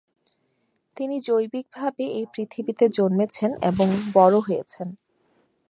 তিনি জৈবিকভাবে এই পৃথিবীতে জন্মেছন এবং বড় হয়েছেন।